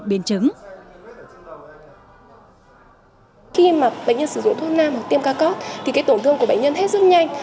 bệnh nhân sử dụng thuốc nam hoặc tiêm ca cốt tổn thương của bệnh nhân hết sức nhanh